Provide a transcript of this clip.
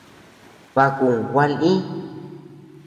Baʼa kun gua lï.